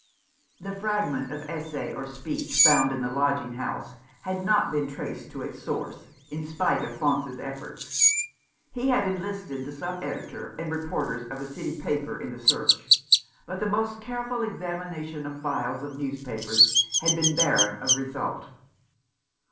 The fragment of essay or speech found in the 210 Other Lives. lodging house had not been traced to its source, in spite of Faunce's efforts. He had enlisted the sub editor and reporters of a city paper in the search ; but the most careful examination of files of newspapers had been barren of result.